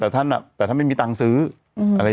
แต่ท่านไม่มีตังซื้ออะไรอย่างนี้